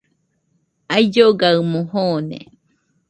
Aullogaɨmo joone.